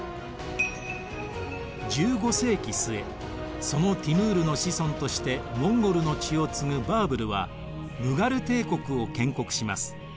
１５世紀末そのティムールの子孫としてモンゴルの血を継ぐバーブルはムガル帝国を建国します。